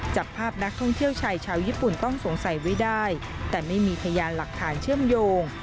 จับภาพนักท่องเที่ยวชายชาวญี่ปุ่นต้องสงสัยไว้ได้แต่ไม่มีพยานหลักฐานเชื่อมโยง